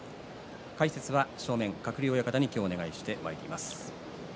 解説は正面、鶴竜親方にお願いしています。